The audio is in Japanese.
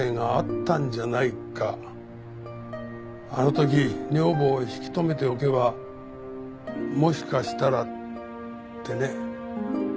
あの時女房を引き留めておけばもしかしたらってね。